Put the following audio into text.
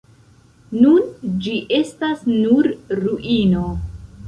Nun ĝi estas nur ruino.